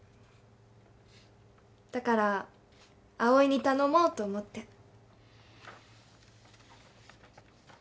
だから葵に頼もうと思って。